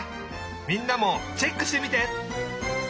みんなもチェックしてみて！